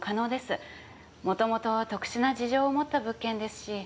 元々特殊な事情をもった物件ですし。